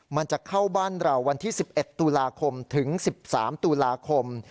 มันจะเข้าบ้านเราวันที่๑๑ตุลาคมถึง๑๓ตุลาคม